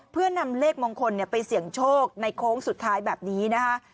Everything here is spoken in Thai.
เพื่อนำเลขมงคลไปเสี่ยงโชคในโค้งสุดท้ายแบบนี้นะคะ